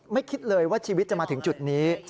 คิดเลยว่าชีวิตจะมาถึงจุดนี้